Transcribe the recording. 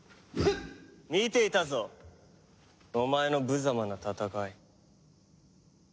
見ていたぞお前の無様な戦い。